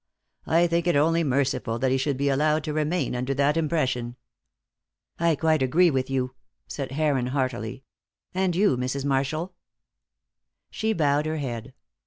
I think it only merciful that he should be allowed to remain under that impression." "I quite agree with you," said Heron, heartily. "And you, Mrs. Marshall?" She bowed her head.